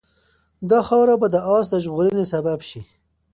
دا خاوره به د آس د ژغورنې سبب شي.